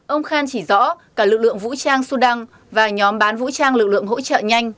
ông khan chỉ rõ cả lực lượng vũ trang sudan và nhóm bán vũ trang lực lượng hỗ trợ nhanh